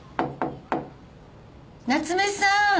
夏目さん！